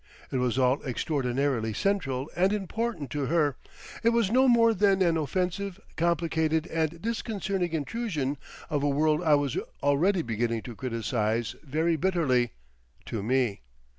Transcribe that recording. It was all extraordinarily central and important to her; it was no more than an offensive, complicated, and disconcerting intrusion of a world I was already beginning to criticise very bitterly, to me.